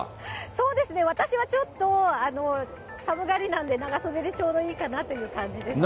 そうですね、私はちょっと、寒がりなんで、長袖でちょうどいいかなという感じですね。